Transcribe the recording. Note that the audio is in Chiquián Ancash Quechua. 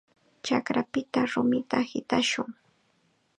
Chakrapita rumita hitashun.